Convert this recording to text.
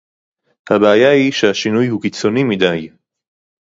הבעיה היא שהשינוי הוא קיצוני מדי